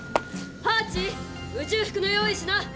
ハチ宇宙服の用意しな。